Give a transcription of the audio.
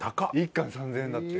１貫３０００円だって。